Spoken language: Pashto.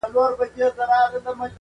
ستا پستو غوښو ته اوس مي هم زړه کیږي،